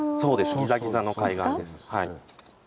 ギザギザの海岸です。